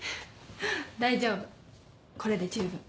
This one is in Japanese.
大丈夫これで十分。